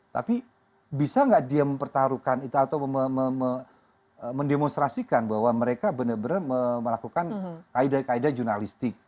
tapi bisa nggak dia mempertaruhkan atau mendemonstrasikan bahwa mereka benar benar melakukan kaedah kaedah jurnalistik